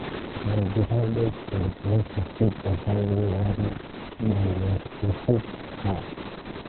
It was decided to replace the ship entirely rather than refit her.